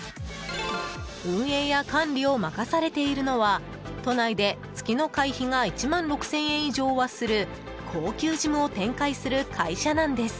運営や管理を任されているのは都内で月の会費が１万６０００円以上はする高級ジムを展開する会社なんです。